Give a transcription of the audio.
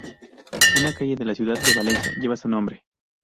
Una calle de la ciudad de Valencia lleva su nombre.